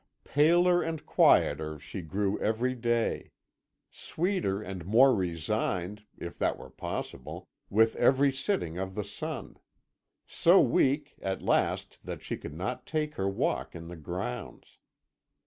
Paler and quieter she grew every day; sweeter and more resigned, if that were possible, with every setting of the sun; so weak at last that she could not take her walk in the grounds.